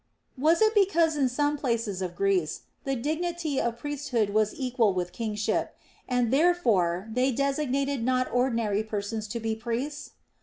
Was it because in some places of Greece the dignity of priesthood was equal with kingship, and therefore they designated not ordinary persons to be priests